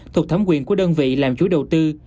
thuộc thẩm quyền của đơn vị làm chủ đầu tư